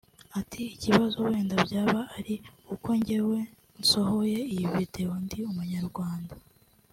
Ati “ Ikibazo wenda byaba ari uko njyewe nsohoye iyi video ndi umunyarwanda